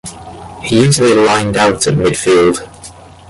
He usually lined out at midfield.